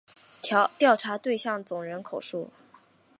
调查对象总人口数